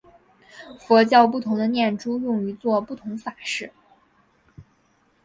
佛教不同的念珠用于作不同法事。